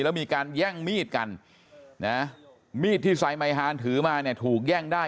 แล้วมีการแย่งมีดกันนะมีดที่ไซไมฮานถือมาเนี่ยถูกแย่งได้